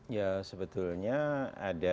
ya sebetulnya ada